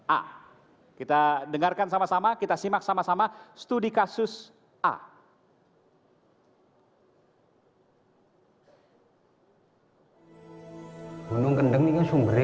a kita dengarkan sama sama kita simak sama sama studi kasus a